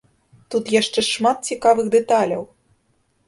Тут яшчэ шмат цікавых дэталяў!